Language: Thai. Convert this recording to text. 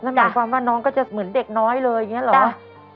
หมายความว่าน้องก็จะเหมือนเด็กน้อยเลยอย่างนี้เหรอ